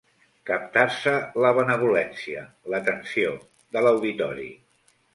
Captar-se la benevolència, l'atenció, de l'auditori.